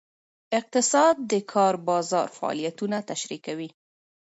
اقتصاد د کار بازار فعالیتونه تشریح کوي.